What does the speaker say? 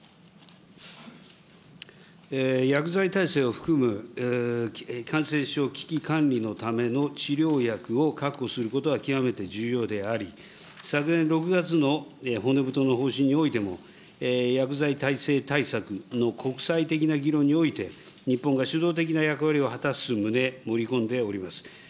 薬剤耐性を含む感染症危機管理のための治療薬を確保することは極めて重要であり、昨年６月の骨太の方針においても、薬剤耐性対策の国際的な議論において、日本が主導的な役割を果たす旨、盛り込んでおります。